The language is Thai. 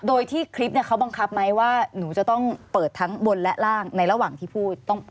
โดยที่คลิปเนี่ยเขาบังคับไหมว่าหนูจะต้องเปิดทั้งบนและล่างในระหว่างที่พูด